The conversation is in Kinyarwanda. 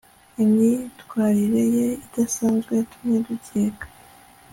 imyitwarire ye idasanzwe yatumye dukeka